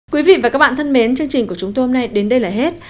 quý vị và các bạn thân mến chương trình của chúng tôi hôm nay đến đây là hết